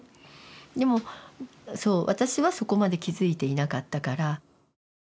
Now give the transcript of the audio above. でもそう私はそこまで気付いていなかったから。